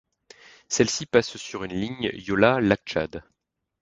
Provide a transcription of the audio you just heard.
Celle-ci passe sur une ligne Yola-lac Tchad.